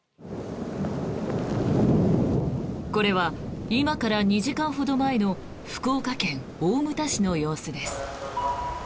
これは今から２時間ほど前の福岡県大牟田市の様子です。